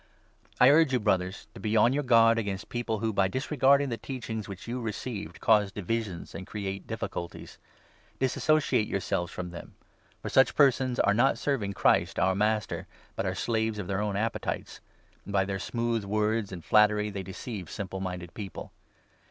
I urge you, Brothers, to be on your guard against people 17 who, by disregarding the teaching which you received, cause divisions and create difficulties ; dissociate yourselves from them. For such persons are not serving Christ, our Master, 18 but are slaves to their own appetites ; and, by their smooth words and flattery, they deceive simple minded people.